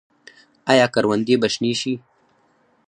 آیا کروندې به شنې شي؟